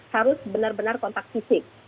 harus benar benar kontak fisik